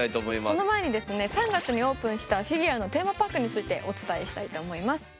その前にですね３月にオープンしたフィギュアのテーマパークについてお伝えしたいと思います。